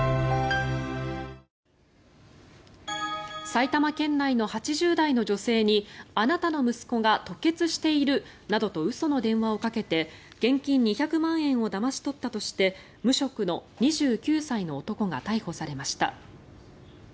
埼玉県内の８０代の女性にあなたの息子が吐血しているなどと嘘の電話をかけて現金２００万円をだまし取ったとして無職の２９歳の男が逮捕されました。